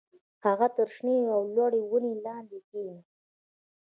هغه تر شنې او لوړې ونې لاندې کېنه